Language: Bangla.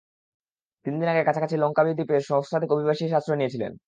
তিন দিন আগে কাছাকাছি লংকাবি দ্বীপে সহস্রাধিক অভিবাসী এসে আশ্রয় নিয়েছিলেন।